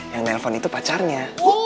yang nelpon itu pacarnya